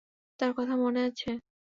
তার কথা মনে আছে?